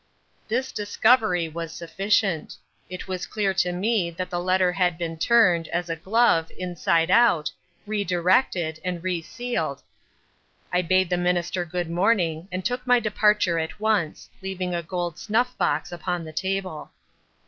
This discovery was sufficient. It was clear to me that the letter had been turned, as a glove, inside out, re directed, and re sealed. I bade the Minister good morning, and took my departure at once, leaving a gold snuff box upon the table.